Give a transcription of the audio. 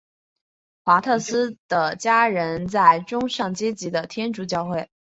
华特斯的家人是中上阶级的天主教会。